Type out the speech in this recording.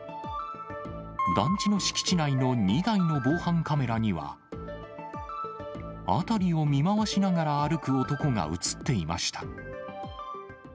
団地の敷地内の２台の防犯カメラには、辺りを見回しながら歩く男が写っていました。